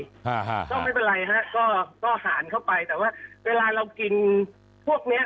อ่าฮะก็ไม่เป็นไรฮะก็ก็หารเข้าไปแต่ว่าเวลาเรากินพวกเนี้ย